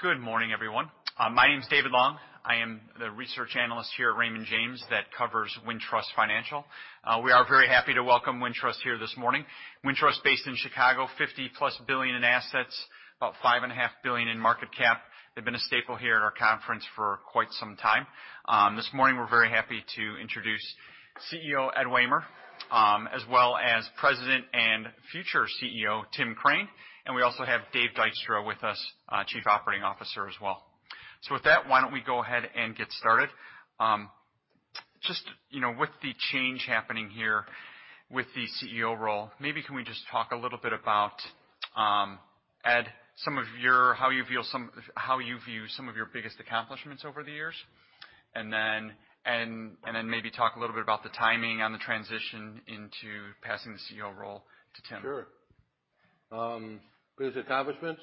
Good morning, everyone. My name is David Long. I am the research analyst here at Raymond James that covers Wintrust Financial. We are very happy to welcome Wintrust here this morning. Wintrust based in Chicago, $50+ billion in assets, about $5.5 billion in market cap. They've been a staple here at our conference for quite some time. This morning we're very happy to introduce CEO Ed Wehmer, as well as President and future CEO, Tim Crane. We also have Dave Dykstra with us, Chief Operating Officer as well. With that, why don't we go ahead and get started. Just, you know, with the change happening here with the CEO role, maybe can we just talk a little bit about Ed, how you view some of your biggest accomplishments over the years. Maybe talk a little bit about the timing on the transition into passing the CEO role to Tim. Sure. Biggest accomplishments,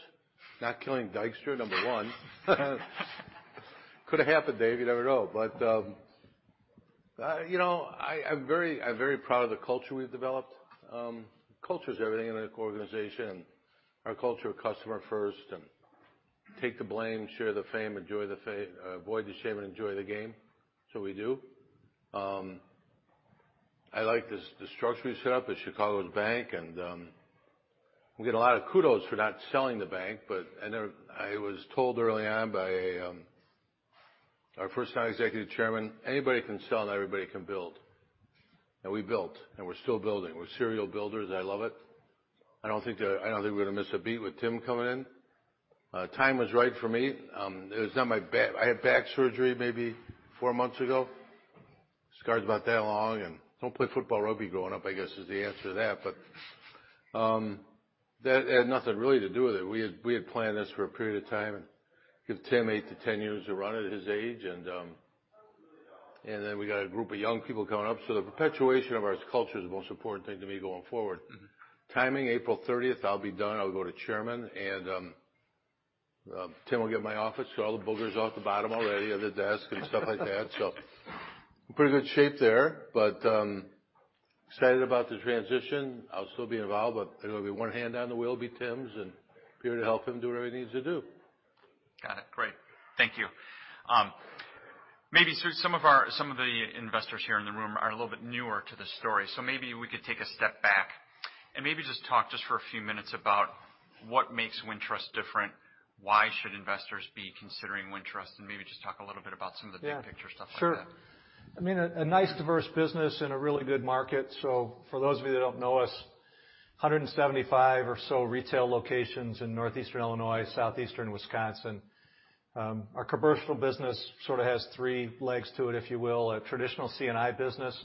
not killing Dykstra, number one. Could have happened, Dave, you never know. You know, I'm very proud of the culture we've developed. Culture is everything in an organization. Our culture customer first and take the blame, share the fame, enjoy the fa-- avoid the shame and enjoy the game. We do. I like the structure we set up as Chicago's Bank, and we get a lot of kudos for not selling the bank. I was told early on by our first-time executive chairman, "Anybody can sell, not everybody can build." We built, and we're still building. We're serial builders. I love it. I don't think we're going to miss a beat with Tim coming in. Time was right for me. It was not my I had back surgery maybe four months ago. Scar is about that long, don't play football, rugby growing up, I guess, is the answer to that. That had nothing really to do with it. We had planned this for a period of time and give Tim 8-10 years to run at his age. We got a group of young people coming up. The perpetuation of our culture is the most important thing to me going forward. Timing, April 30th, I'll be done. I'll go to chairman and Tim will get my office. Got all the boogers off the bottom already of the desk and stuff like that. Pretty good shape there, but excited about the transition. I'll still be involved, but, you know, one hand on the wheel will be Tim's and here to help him do whatever he needs to do. Got it. Great. Thank you. Maybe some of the investors here in the room are a little bit newer to the story. Maybe we could take a step back and maybe just talk just for a few minutes about what makes Wintrust different. Why should investors be considering Wintrust? Maybe just talk a little bit about some of the big picture stuff like that. Sure. I mean, a nice diverse business in a really good market. For those of you that don't know us, 175 or so retail locations in Northeastern Illinois, Southeastern Wisconsin. Our commercial business sort of has three legs to it, if you will. A traditional C&I business,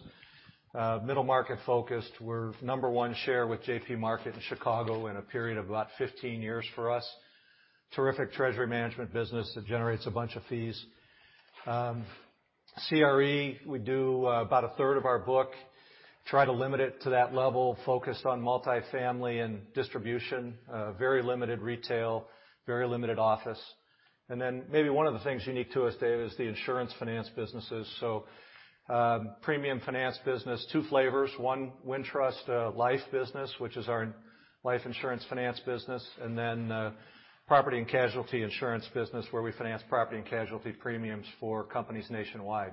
middle market-focused. We're number one share with JPMorgan in Chicago in a period of about 15 years for us. Terrific treasury management business that generates a bunch of fees. CRE, we do about a third of our book, try to limit it to that level, focused on multifamily and distribution, very limited retail, very limited office. Maybe one of the things unique to us, Dave, is the insurance finance businesses. Premium finance business, two flavors, one Wintrust life business, which is our life insurance finance business, and then property and casualty insurance business, where we finance property and casualty premiums for companies nationwide.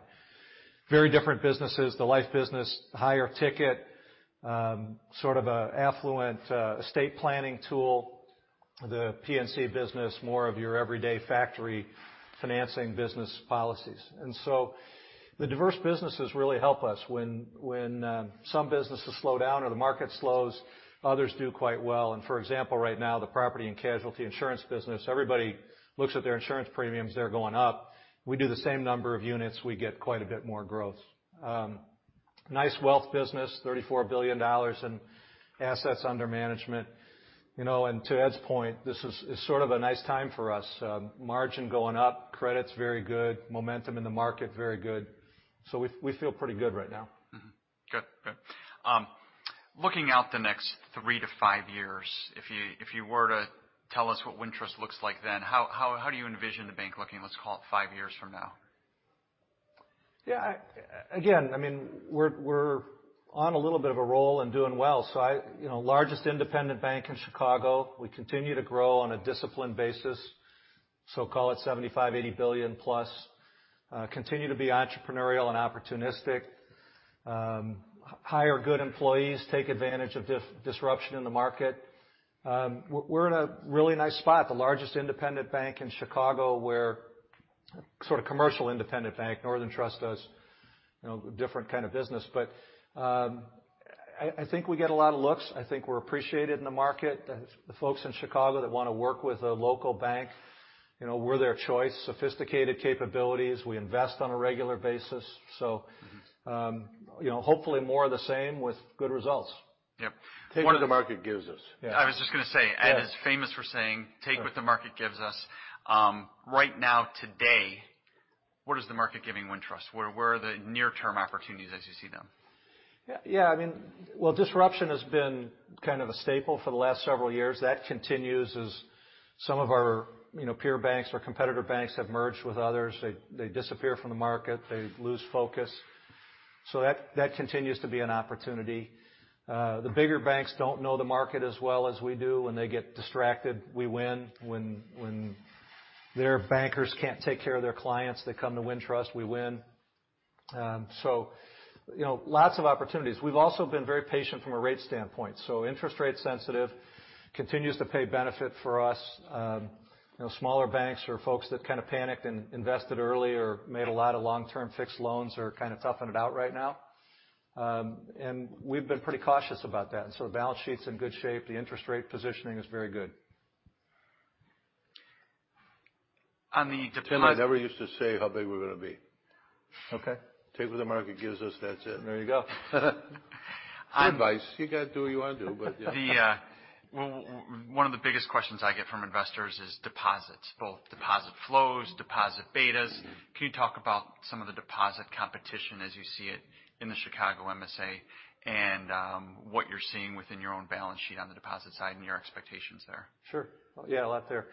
Very different businesses. The life business, higher ticket, sort of a affluent estate planning tool. The P&C business, more of your everyday factory financing business policies. The diverse businesses really help us when some businesses slow down or the market slows, others do quite well. For example, right now, the property and casualty insurance business, everybody looks at their insurance premiums, they're going up. We do the same number of units, we get quite a bit more growth. Nice wealth business, $34 billion in assets under management. You know, and to Ed's point, this is sort of a nice time for us. Margin going up, credit's very good, momentum in the market, very good. We, we feel pretty good right now. Good. Good. Looking out the next three to five years, if you were to tell us what Wintrust looks like then, how do you envision the bank looking, let's call it 5 years from now? Yeah. Again, I mean, we're on a little bit of a roll and doing well. You know, largest independent bank in Chicago. We continue to grow on a disciplined basis. Call it $75 billion-$80 billion+. Continue to be entrepreneurial and opportunistic. Hire good employees, take advantage of disruption in the market. We're in a really nice spot, the largest independent bank in Chicago. We're sort of commercial independent bank. Northern Trust does, you know, different kind of business. I think we get a lot of looks. I think we're appreciated in the market. The folks in Chicago that want to work with a local bank, you know, we're their choice. Sophisticated capabilities. We invest on a regular basis, hopefully more of the same with good results. Yep. Take what the market gives us. Yeah. I was just going to say, Ed is famous for saying, take what the market gives us. Right now today, what is the market giving Wintrust? Where are the near-term opportunities as you see them? I mean, well, disruption has been kind of a staple for the last several years. That continues as some of our, you know, peer banks or competitor banks have merged with others. They disappear from the market. They lose focus. That continues to be an opportunity. The bigger banks don't know the market as well as we do. When they get distracted, we win. When their bankers can't take care of their clients, they come to Wintrust, we win. You know, lots of opportunities. We've also been very patient from a rate standpoint. Interest rate sensitive continues to pay benefit for us. You know, smaller banks or folks that kind of panicked and invested early or made a lot of long-term fixed loans are kind of toughing it out right now. And we've been pretty cautious about that. The balance sheet's in good shape. The interest rate positioning is very good, Tim and I never used to say how big we're gonna be. Take what the market gives us, that's it. There you go. Good advice. You gotta do what you wanna do. Yeah. One of the biggest questions I get from investors is deposits, both deposit flows, deposit betas. Can you talk about some of the deposit competition as you see it in the Chicago MSA and what you're seeing within your own balance sheet on the deposit side and your expectations there? Sure. Yeah, a lot there.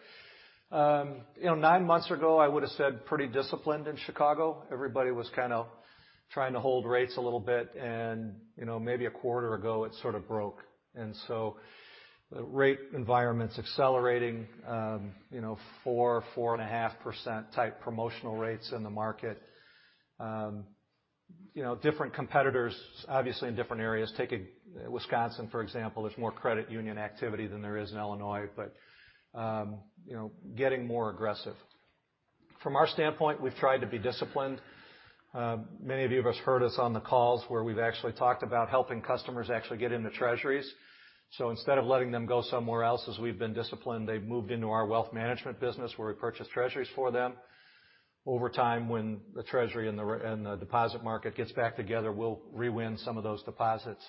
You know, nine months ago, I would've said pretty disciplined in Chicago. Everybody was kind of trying to hold rates a little bit and, you know, maybe a quarter ago it sort of broke. The rate environment's accelerating, you know, 4.5% type promotional rates in the market. You know, different competitors obviously in different areas. Take Wisconsin for example, there's more credit union activity than there is in Illinois, but, you know, getting more aggressive. From our standpoint, we've tried to be disciplined. Many of you have heard us on the calls where we've actually talked about helping customers actually get into Treasuries. Instead of letting them go somewhere else, as we've been disciplined, they've moved into our wealth management business where we purchase Treasuries for them. Over time, when the Treasury and the deposit market gets back together, we'll re-win some of those deposits.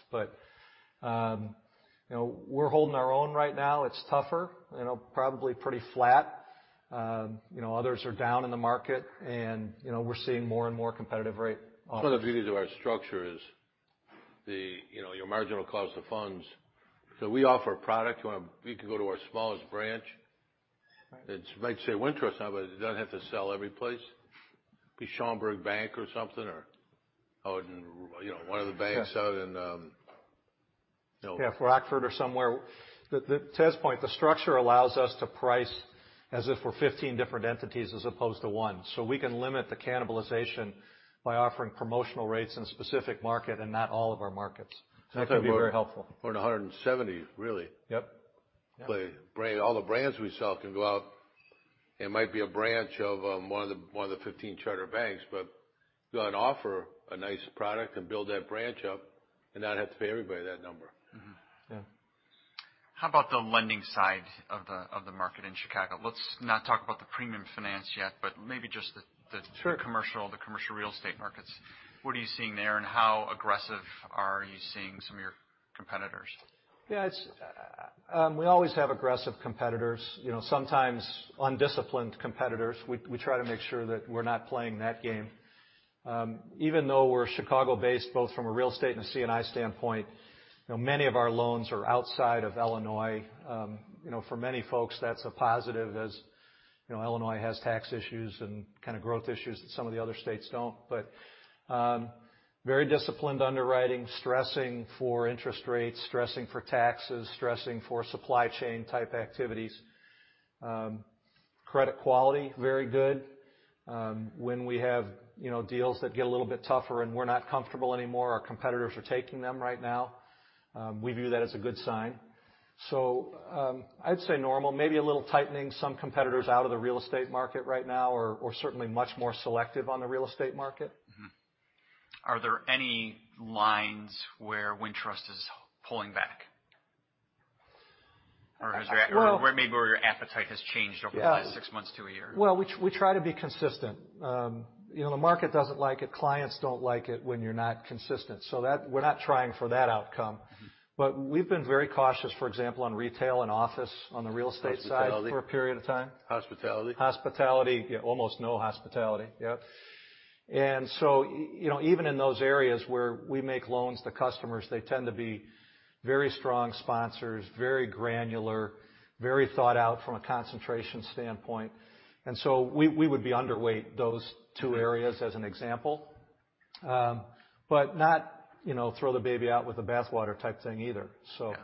You know, we're holding our own right now. It's tougher, you know, probably pretty flat. You know, others are down in the market and, you know, we're seeing more and more competitive rate offers. One of the beauties of our structure is the, you know, your marginal cost of funds. We offer a product. You can go to our smallest branch. It might say Wintrust on it, but it doesn't have to sell every place. Could be Schaumburg Bank or something or out in you know, one of the banks. Yeah, Rockford or somewhere. Ed's point, the structure allows us to price as if we're 15 different entities as opposed to one. We can limit the cannibalization by offering promotional rates in a specific market and not all of our markets. Exactly. That can be very helpful. We're in 170 really. Yep. All the brands we sell can go out. It might be a branch of one of the 15 charter banks, but go out and offer a nice product and build that branch up and not have to pay everybody that number. Mm-hmm. How about the lending side of the market in Chicago? Let's not talk about the premium finance yet, but maybe just. Sure. The commercial real estate markets. What are you seeing there, and how aggressive are you seeing some of your competitors? Yeah, it's, we always have aggressive competitors. You know, sometimes undisciplined competitors. We, we try to make sure that we're not playing that game. Even though we're Chicago-based, both from a real estate and a C&I standpoint, you know, many of our loans are outside of Illinois. You know, for many folks that's a positive as, you know, Illinois has tax issues and kind of growth issues that some of the other states don't. Very disciplined underwriting, stressing for interest rates, stressing for taxes, stressing for supply chain type activities. Credit quality, very good. When we have, you know, deals that get a little bit tougher and we're not comfortable anymore, our competitors are taking them right now. We view that as a good sign. I'd say normal, maybe a little tightening. Some competitors out of the real estate market right now or certainly much more selective on the real estate market. Mm-hmm. Are there any lines where Wintrust is pulling back? Has your- Well- Where maybe where your appetite has changed over. Yeah. Last six months to a year? We try to be consistent. You know, the market doesn't like it, clients don't like it when you're not consistent, we're not trying for that outcome. Mm-hmm. We've been very cautious, for example, on retail and office on the real estate side. Hospitality. For a period of time. Hospitality. Hospitality. Yeah, almost no hospitality. Yep. You know, even in those areas where we make loans to customers, they tend to be very strong sponsors, very granular, very thought out from a concentration standpoint. We would be underweight those two areas as an example. Not, you know, throw the baby out with the bathwater type thing either, so. Yeah.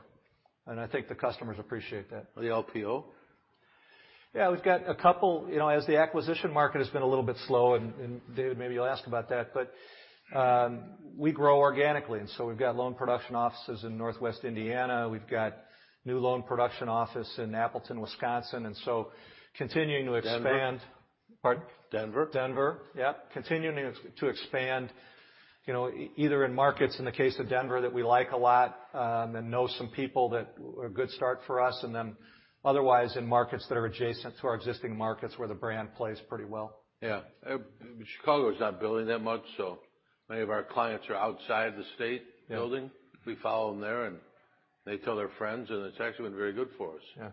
I think the cust omers appreciate that. The LPO? Yeah, we've got a couple. You know, as the acquisition market has been a little bit slow, and David, maybe you'll ask about that, but, we grow organically. We've got loan production offices in Northwest Indiana. We've got new loan production office in Appleton, Wisconsin. Continuing to expand. Denver. Pardon? Denver. Denver, yep. Continuing to expand, you know, either in markets, in the case of Denver, that we like a lot, and know some people that are a good start for us. Otherwise in markets that are adjacent to our existing markets where the brand plays pretty well. Yeah. Chicago is not building that much, so many of our clients are outside the state building. Yeah. We follow them there. They tell their friends. It's actually been very good for us. Yeah.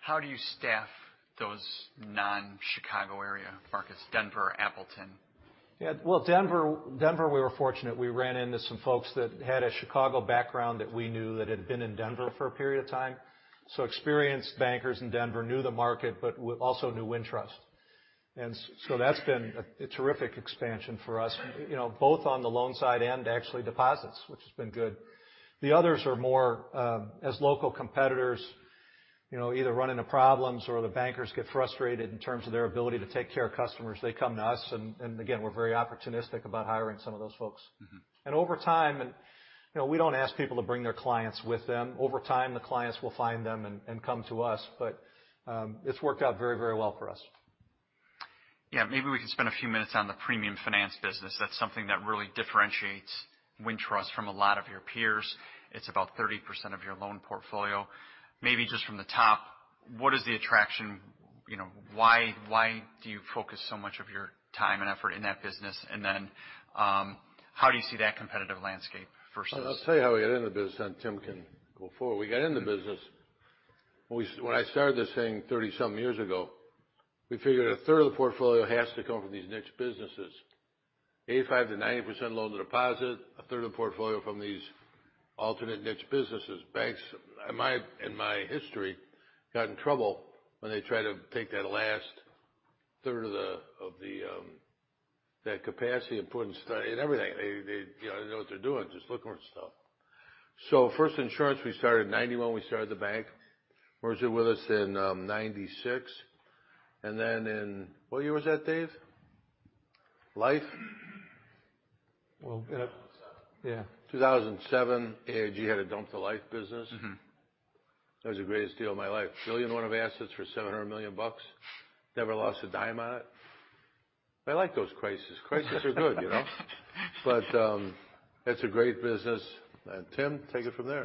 How do you staff those non-Chicago area markets, Denver, Appleton? Yeah. Well, Denver, we were fortunate. We ran into some folks that had a Chicago background that we knew that had been in Denver for a period of time. Experienced bankers in Denver, knew the market, but also knew Wintrust. That's been a terrific expansion for us, you know, both on the loan side and actually deposits, which has been good. The others are more as local competitors, you know, either run into problems or the bankers get frustrated in terms of their ability to take care of customers. They come to us and again, we're very opportunistic about hiring some of those folks. Mm-hmm. Over time and, you know, we don't ask people to bring their clients with them. Over time, the clients will find them and come to us. It's worked out very, very well for us. Yeah. Maybe we can spend a few minutes on the premium finance business. That's something that really differentiates Wintrust from a lot of your peers. It's about 30% of your loan portfolio. Maybe just from the top, what is the attraction? You know, why do you focus so much of your time and effort in that business? How do you see that competitive landscape versus- I'll tell you how we got into the business, then Tim can go forward. We got into the business when I started this thing 30 something years ago. We figured a third of the portfolio has to come from these niche businesses. 85%-90% loan to deposit, a third of the portfolio from these alternate niche businesses. Banks, in my history, got in trouble when they try to take that last third of the capacity and put in everything. They, you know, they don't know what they're doing, just looking for stuff. First insurance, we started in 1991. We started the bank. Martha was with us in 1996. In... What year was that, Dave? Life? In, yeah, 2007. 2007, AIG had to dump the life business. Mm-hmm. That was the greatest deal of my life. $1 billion in one of assets for $700 million. Never lost a dime on it. I like those crises. Crises are good, you know? It's a great business. Tim, take it from there.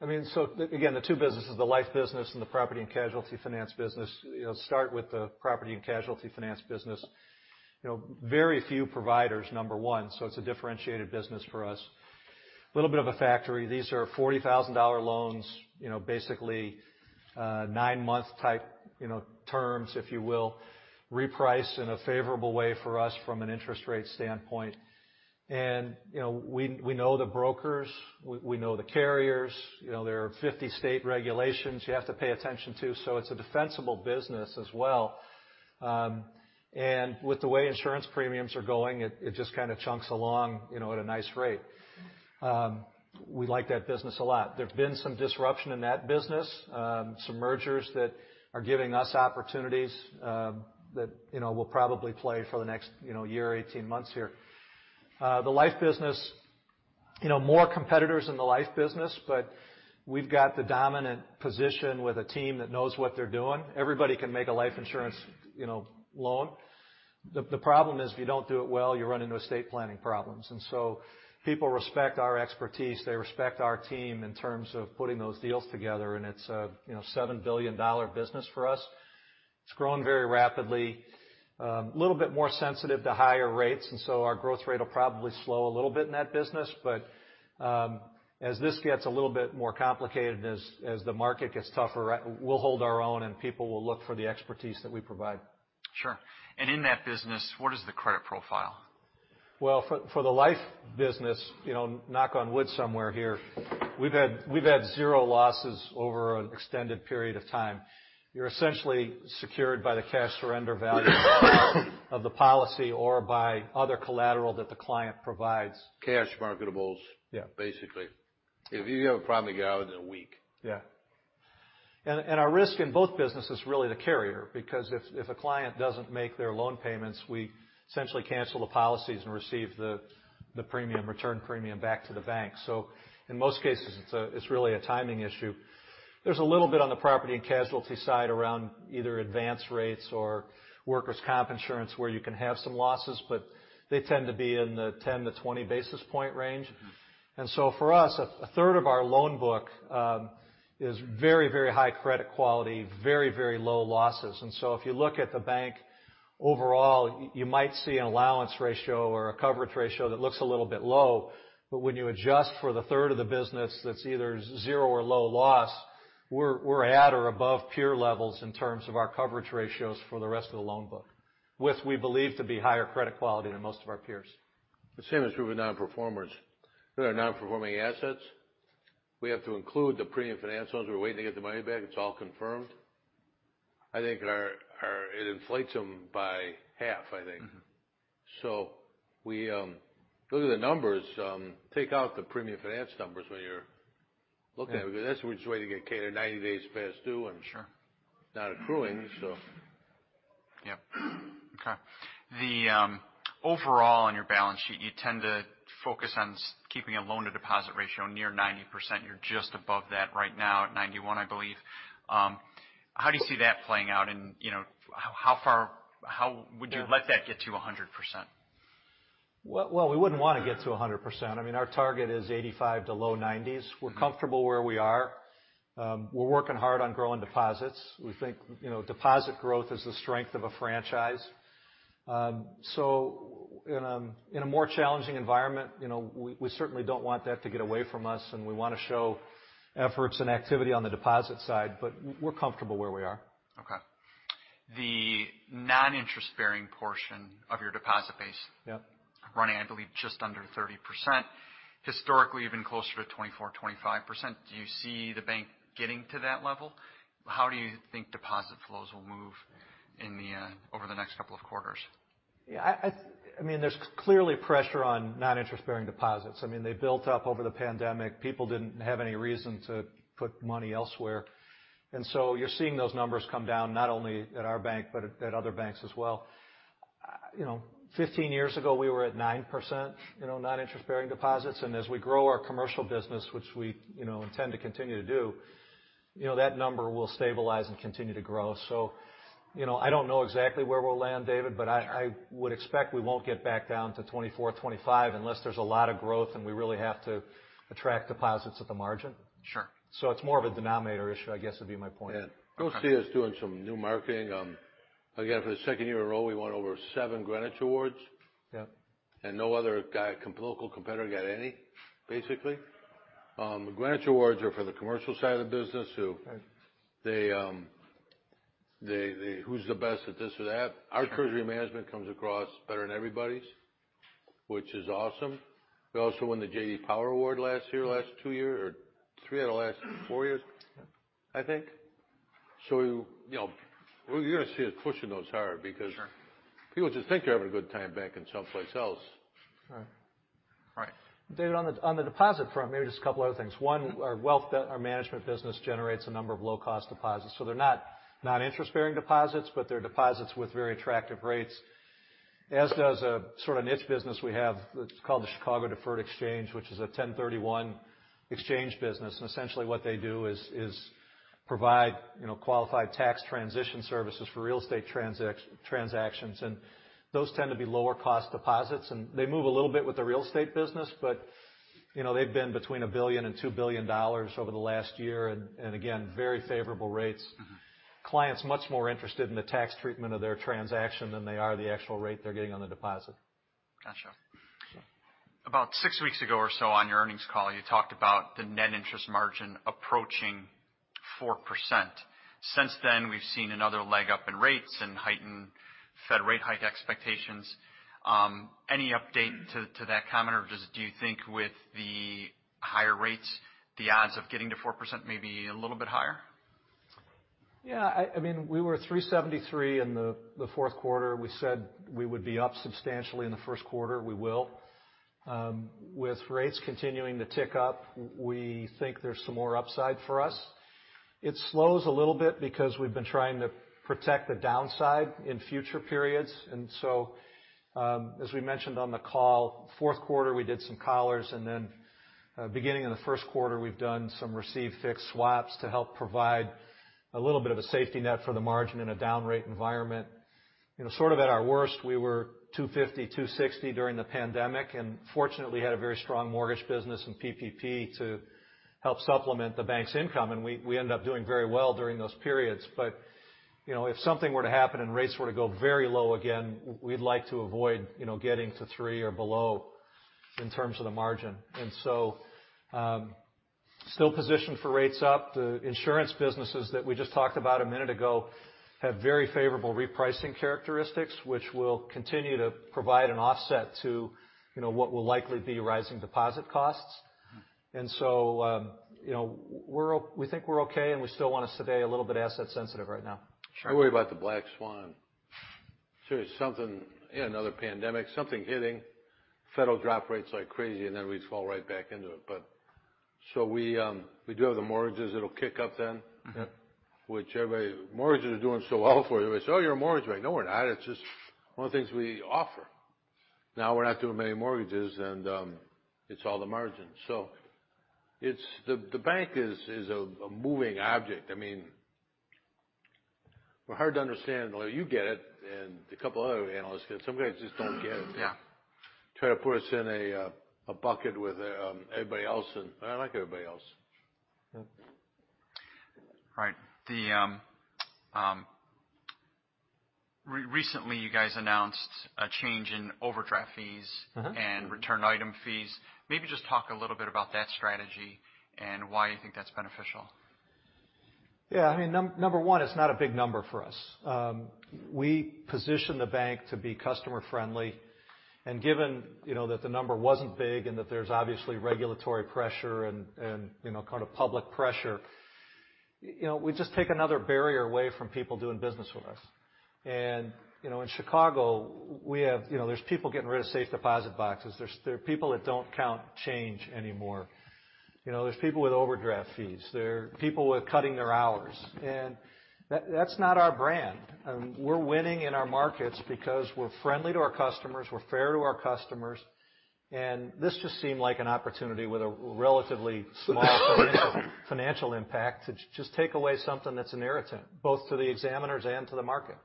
Again, the two businesses, the life business and the property and casualty finance business. Start with the property and casualty finance business. You know, very few providers, number one, it's a differentiated business for us. A little bit of a factory. These are $40,000 loans, you know, basically, nine-month type, you know, terms, if you will. Reprice in a favorable way for us from an interest rate standpoint. You know, we know the brokers. We know the carriers. You know, there are 50 state regulations you have to pay attention to, it's a defensible business as well. With the way insurance premiums are going, it just kind of chunks along, you know, at a nice rate. We like that business a lot. There've been some disruption in that business. Some mergers that are giving us opportunities, that, you know, we'll probably play for the next, you know, year or 18 months here. The life business, you know, more competitors in the life business, but we've got the dominant position with a team that knows what they're doing. Everybody can make a life insurance, you know, loan. The problem is, if you don't do it well, you run into estate planning problems. People respect our expertise. They respect our team in terms of putting those deals together, and it's a, you know, $7 billion business for us. It's growing very rapidly. A little bit more sensitive to higher rates, and so our growth rate will probably slow a little bit in that business. As this gets a little bit more complicated and as the market gets tougher, we'll hold our own, and people will look for the expertise that we provide. Sure. In that business, what is the credit profile? Well, for the life business, you know, knock on wood somewhere here, we've had zero losses over an extended period of time. You're essentially secured by the cash surrender value of the policy or by other collateral that the client provides. Cash marketables. Yeah. Basically. If you have a problem, you're out in a week. Our risk in both businesses is really the carrier, because if a client doesn't make their loan payments, we essentially cancel the policies and receive the premium, return premium back to the bank. In most cases, it's really a timing issue. There's a little bit on the property and casualty side around either advanced rates or workers' comp insurance where you can have some losses, but they tend to be in the 10-20 basis point range. For us, a third of our loan book is very, very high credit quality, very, very low losses. If you look at the bank overall, you might see an allowance ratio or a coverage ratio that looks a little bit low. When you adjust for the third of the business that's either zero or low loss, we're at or above peer levels in terms of our coverage ratios for the rest of the loan book, with we believe to be higher credit quality than most of our peers. The same is true with non-performers. With our non-performing assets, we have to include the premium finance loans. We're waiting to get the money back. It's all confirmed. I think it inflates them by half, I think. Mm-hmm. We look at the numbers, take out the premium finance numbers when you're looking at it. Yeah. That's, we're just waiting to get paid or 90 days past due and- Sure Not accruing, so. Yep. Okay. The overall on your balance sheet, you tend to focus on keeping a loan to deposit ratio near 90%. You're just above that right now at 91, I believe. How do you see that playing out? You know, how far how would you let that get to a 100%? Well, we wouldn't want to get to 100%. I mean, our target is 85% to low 90%s. Mm-hmm. We're comfortable where we are. We're working hard on growing deposits. We think, you know, deposit growth is the strength of a franchise. In a, in a more challenging environment, you know, we certainly don't want that to get away from us, and we wanna show efforts and activity on the deposit side, but we're comfortable where we are. Okay. The non-interest bearing portion of your deposit base- Yep.... running, I believe just under 30%. Historically, you've been closer to 24%, 25%. Do you see the bank getting to that level? How do you think deposit flows will move in the over the next couple of quarters? Yeah, I mean, there's clearly pressure on non-interest bearing deposits. I mean, they built up over the pandemic. People didn't have any reason to put money elsewhere. You're seeing those numbers come down not only at our bank, but at other banks as well. You know, 15 years ago, we were at 9%, you know, non-interest bearing deposits. As we grow our commercial business, which we, you know, intend to continue to do, you know, that number will stabilize and continue to grow. You know, I don't know exactly where we'll land, David, but I would expect we won't get back down to 24%, 25% unless there's a lot of growth and we really have to attract deposits at the margin. Sure. It's more of a denominator issue, I guess, would be my point. Yeah. You'll see us doing some new marketing. Again, for the second year in a row, we won over seven Greenwich awards. Yeah. No other guy, local competitor got any, basically. The Greenwich awards are for the commercial side of the business. Right. Who's the best at this or that. Our treasury management comes across better than everybody's, which is awesome. We also won the J.D. Power Award 3 out of the last four years. Yeah. I think. You know, you're gonna see us pushing those hard because- Sure. People just think they're having a good time banking someplace else. Right. Right. David, on the deposit front, maybe just a couple other things. One, our wealth management business generates a number of low cost deposits. They're not non-interest bearing deposits, but they're deposits with very attractive rates. As does a sort of niche business we have that's called the Chicago Deferred Exchange, which is a 1031 exchange business. Essentially what they do is provide, you know, qualified tax transition services for real estate transactions, and those tend to be lower cost deposits. They move a little bit with the real estate business, but, you know, they've been between $1 billion and $2 billion over the last year. Again, very favorable rates. Mm-hmm. Clients much more interested in the tax treatment of their transaction than they are the actual rate they're getting on the deposit. Gotcha. About six weeks ago or so on your earnings call, you talked about the net interest margin approaching 4%. Since then, we've seen another leg up in rates and heightened Fed rate hike expectations. Any update to that comment? Just do you think with the higher rates, the odds of getting to 4% may be a little bit higher? Yeah. I mean, we were 3.73% in the fourth quarter. We said we would be up substantially in the first quarter. We will. With rates continuing to tick up, we think there's some more upside for us. It slows a little bit because we've been trying to protect the downside in future periods. As we mentioned on the call, fourth quarter we did some collars. Beginning of the first quarter, we've done some receive fixed swaps to help provide a little bit of a safety net for the margin in a down rate environment. You know, sort of at our worst, we were 2.50%, 2.60% during the pandemic. Fortunately had a very strong mortgage business in PPP to help supplement the bank's income. We ended up doing very well during those periods. You know, if something were to happen and rates were to go very low again, we'd like to avoid, you know, getting to 3% or below in terms of the margin. Still positioned for rates up. The insurance businesses that we just talked about a minute ago have very favorable repricing characteristics, which will continue to provide an offset to, you know, what will likely be rising deposit costs. Mm-hmm. You know, we think we're okay, and we still want to stay a little bit asset sensitive right now. Sure. I worry about the black swan. Seriously, something, you know, another pandemic, something hitting, Federal drop rates like crazy, and then we fall right back into it. We do have the mortgages that'll kick up then. Mm-hmm. Mortgages are doing so well for you. They say, "Oh, you're a mortgage bank." No, we're not. It's just one of the things we offer. Now, we're not doing many mortgages, and it's all the margins. The bank is a moving object. I mean, we're hard to understand. Well, you get it and a couple of other analysts get it. Some guys just don't get it. Yeah. Try to put us in a bucket with everybody else, and we're not like everybody else. Yeah. Right. Recently, you guys announced a change in overdraft fees. Mm-hmm.... and returned item fees. Maybe just talk a little bit about that strategy and why you think that's beneficial. I mean, number one, it's not a big number for us. We position the bank to be customer friendly. Given, you know, that the number wasn't big and that there's obviously regulatory pressure and, you know, kind of public pressure, you know, we just take another barrier away from people doing business with us. You know, in Chicago, you know, there's people getting rid of safe deposit boxes. There are people that don't count change anymore. You know, there's people with overdraft fees. There are people with cutting their hours. That's not our brand. I mean, we're winning in our markets because we're friendly to our customers, we're fair to our customers, and this just seemed like an opportunity with a relatively small financial impact to just take away something that's an irritant, both to the examiners and to the market.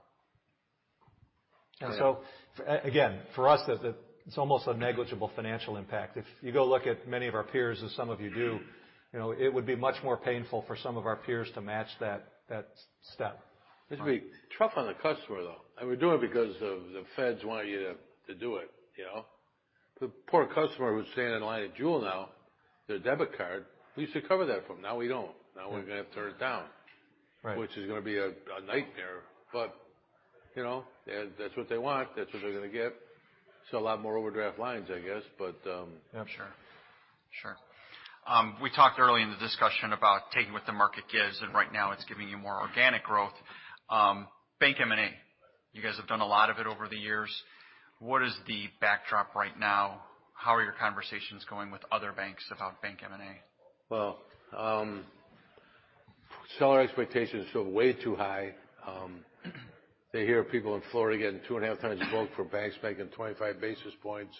Yeah. Again, for us, it's almost a negligible financial impact. If you go look at many of our peers, as some of you do, you know, it would be much more painful for some of our peers to match that step. It'd be tough on the customer, though. I mean, we do it because of the Fed want you to do it, you know? The poor customer who's standing in line at Jewel-Osco now, their debit card, we used to cover that for them. Now we don't. Now we're gonna have to turn it down. Which is gonna be a nightmare. You know, if that's what they want, that's what they're gonna get. Sell a lot more overdraft lines, I guess. Yeah, sure. Sure. We talked early in the discussion about taking what the market gives, and right now it's giving you more organic growth. Bank M&A. You guys have done a lot of it over the years. What is the backdrop right now? How are your conversations going with other banks about bank M&A? Seller expectations feel way too high. They hear people in Florida getting 2.5x a book for banks making 25 basis points,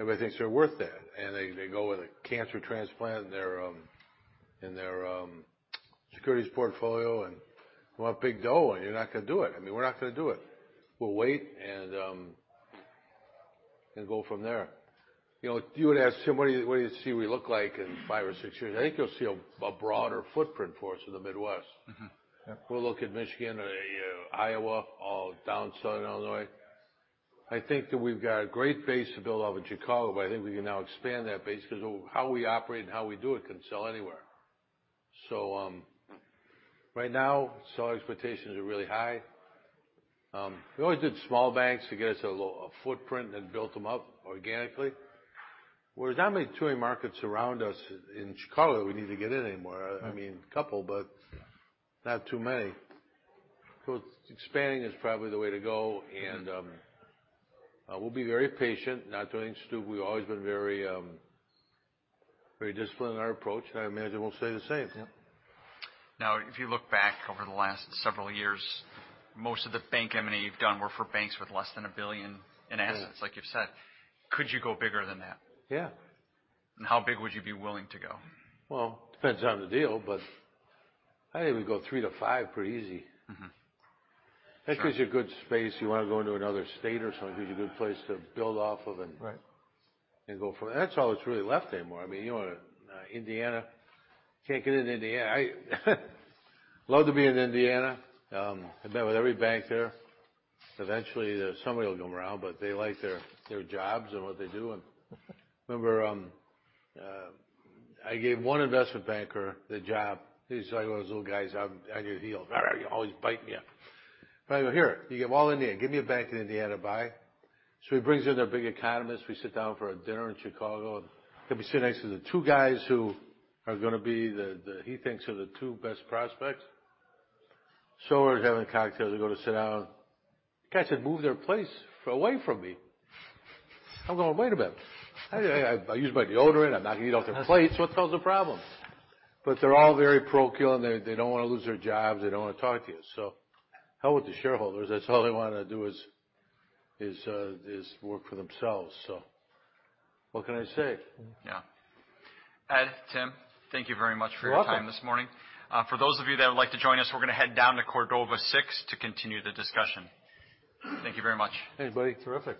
everybody thinks they're worth that. They go with a cancer transplant in their securities portfolio and want big dough, you're not gonna do it. I mean, we're not gonna do it. We'll wait and go from there. You know, you had asked, Tim, what do you see we look like in five or six years? I think you'll see a broader footprint for us in the Midwest. Mm-hmm. Yeah. We'll look at Michigan or, you know, Iowa or down southern Illinois. I think that we've got a great base to build off of Chicago, but I think we can now expand that base 'cause of how we operate and how we do it can sell anywhere. Right now, seller expectations are really high. We always did small banks to get us a footprint and built them up organically. Well, there's not many touring markets around us in Chicago that we need to get in anymore. I mean, a couple, but not too many. Expanding is probably the way to go. We'll be very patient, not doing stupid... We've always been very, very disciplined in our approach, and I imagine we'll stay the same. Now, if you look back over the last several years, most of the bank M&A you've done were for banks with less than $1 billion in assets. Mm. Like you've said. Could you go bigger than that? Yeah. How big would you be willing to go? Well, depends on the deal, but I think we can go three to five pretty easy. Mm-hmm. Sure. That gives you a good space. You wanna go into another state or something, gives you a good place to build off of. Right. Go from. That's all that's really left anymore. I mean, you know, Indiana, can't get into Indiana. I love to be in Indiana. I met with every bank there. Eventually, somebody will come around, but they like their jobs and what they do and. Remember, I gave one investment banker the job. He's like one of those little guys on your heel, always biting you. I go, "Here, you get all Indiana. Give me a bank in Indiana to buy." He brings in their big economist. We sit down for a dinner in Chicago. Gonna be sitting next to the two guys who are gonna be the he thinks are the two best prospects. We're having cocktails. We go to sit down. The guys had moved their plates away from me. I'm going, "Wait a minute. I use my deodorant. I'm not gonna eat off their plates. What the hell's the problem?" They're all very parochial, and they don't wanna lose their jobs. They don't wanna talk to you. Hell with the shareholders. That's all they wanna do is work for themselves. What can I say? Yeah. Ed, Tim, thank you very much for your time- You're welcome. This morning. For those of you that would like to join us, we're gonna head down to Cordova 6 to continue the discussion. Thank you very much. Hey, buddy. Terrific.